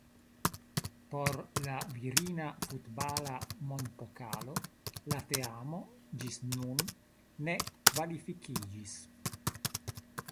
Por la Virina Futbala Mondpokalo la teamo ĝis nun ne kvalifikiĝis.